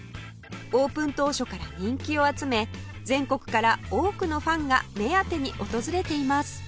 オープン当初から人気を集め全国から多くのファンが目当てに訪れています